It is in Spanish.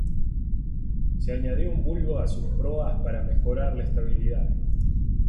Se añadió un bulbo a sus proas para mejorar la estabilidad.